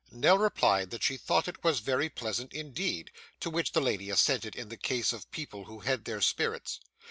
Nell replied that she thought it was very pleasant indeed, to which the lady assented in the case of people who had their spirits.